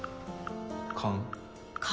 勘？